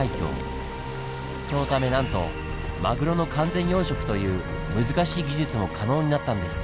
そのためなんとマグロの完全養殖という難しい技術も可能になったんです。